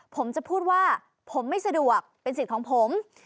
ผมจะพูดว่าผมไม่สะดวกเป็นสิทธิ์ของผม